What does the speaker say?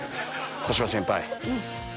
小芝先輩。